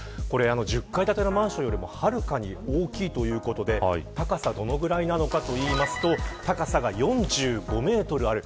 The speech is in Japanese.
１０階建てのマンションよりもはるかに大きいということで高さはどのぐらいなのかといいますと４５メートルある。